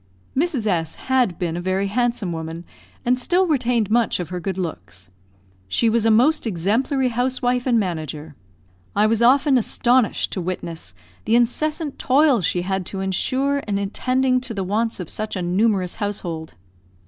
Mrs. S had been a very handsome woman, and still retained much of her good looks. She was a most exemplary housewife and manager. I was often astonished to witness the incessant toil she had to ensure in attending to the wants of such a numerous household.